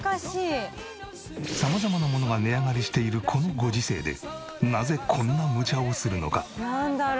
様々なものが値上がりしているこのご時世でなぜこんなむちゃをするのか？